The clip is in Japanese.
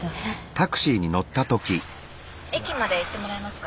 駅まで行ってもらえますか？